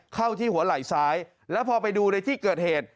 เข้าที่หัวไหล่ซ้ายแล้วพอไปดูในที่เกิดเหตุ